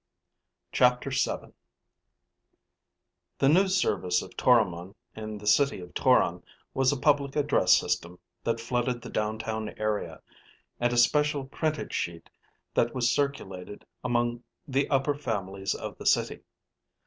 CHAPTER VII The news service of Toromon in the city of Toron was a public address system that flooded the downtown area, and a special printed sheet that was circulated among the upper families of the city.